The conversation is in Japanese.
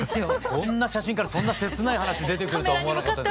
こんな写真からそんな切ない話出てくるとは思わなかったですけど。